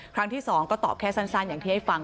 ครั้งที่๒ก็ตอบแค่สั้นอย่างที่ให้ฟัง